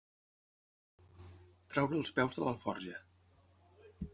Treure els peus de l'alforja.